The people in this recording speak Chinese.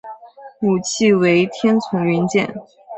武器为天丛云剑。